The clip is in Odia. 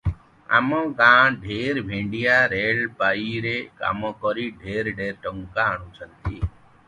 ଆମ ଗାଁର ଢେର ଭେଣ୍ଡିଆ ରେଲବାଇରେ କାମ କରି ଢେର ଢେର ଟଙ୍କା ଆଣୁଛନ୍ତି ।